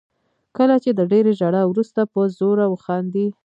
کله چې د ډېرې ژړا وروسته په زوره وخاندئ.